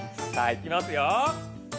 さあいきますよ！